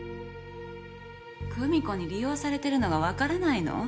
久美子に利用されてるのがわからないの？